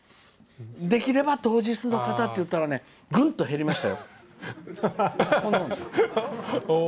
できれば当日の方って言えばぐんと減りましたよ。